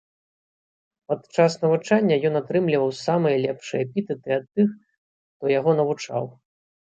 Падчас навучання ён атрымліваў самыя лепшыя эпітэты ад тых, хто яго навучаў.